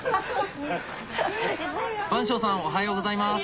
番匠さんおはようございます。